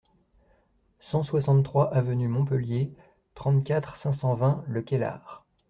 cent soixante-trois avenue Montpellier, trente-quatre, cinq cent vingt, Le Caylar